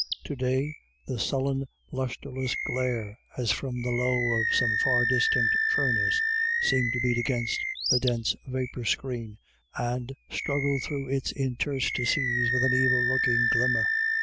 To day the sullen lustreless glare, as from the lowe of some far distant furnace, seemed to beat against the dense vapour screen and struggle through its interstices with an evil looking glimmer.